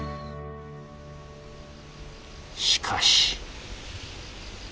しかし。